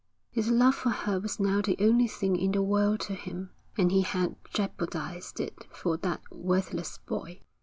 His love for her was now the only thing in the world to him, and he had jeopardised it for that worthless boy.